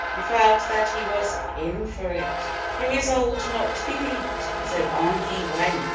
He felt that he was "in for it;" he resolved not to be beat, so on he went!